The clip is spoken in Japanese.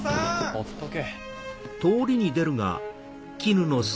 ほっとけ。